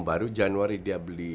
baru januari dia beli